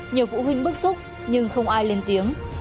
nhiều phụ huynh bức xúc nhưng không ai lên tiếng